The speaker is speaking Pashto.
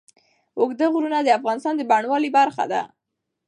اوږده غرونه د افغانستان د بڼوالۍ برخه ده.